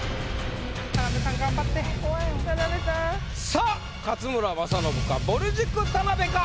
さあ勝村政信か？